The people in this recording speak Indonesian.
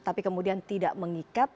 tapi kemudian tidak mengikat